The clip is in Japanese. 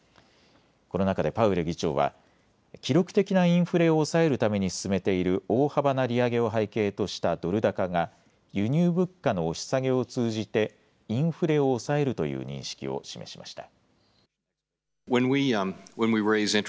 この中でパウエル議長は記録的なインフレを抑えるために進めている大幅な利上げを背景としたドル高が輸入物価の押し下げを通じてインフレを抑えるという認識を示しました。